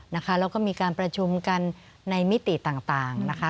แล้วก็มีการประชุมกันในมิติต่างนะคะ